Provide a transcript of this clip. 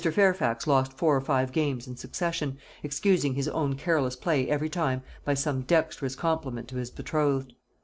Fairfax lost four or five games in succession, excusing his own careless play every time by some dexterous compliment to his betrothed.